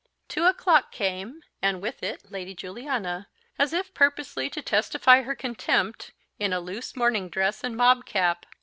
Two o'clock came, and with it Lady Juliana, as if purposely to testify her contempt, in a loose morning dress and mob cap.